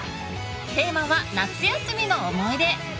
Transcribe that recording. テーマは「夏休みの思い出」。